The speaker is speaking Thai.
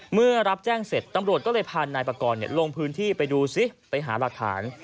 เมื่อรับแจ้งเสร็จตำรวจก็เลยพานายปากรลงพื้นที่ไปดูซิไปหาหลักฐาน